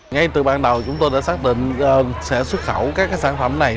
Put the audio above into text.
ngay từ ban đầu chúng tôi đã xác định sẽ xuất khẩu các sản phẩm này